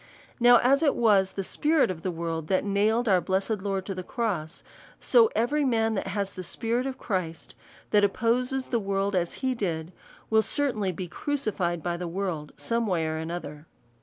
•Now as it was the spirit of the world that nailed our blessed Lord to the cross ; so every man that has the spirit of Christ, that opposes the world, as he did, will certainly be crucified by the world some way or other.